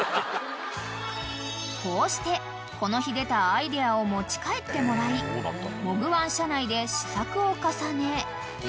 ［こうしてこの日出たアイデアを持ち帰ってもらいモグワン社内で試作を重ね